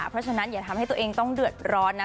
เพราะฉะนั้นอย่าทำให้ตัวเองต้องเดือดร้อนนะ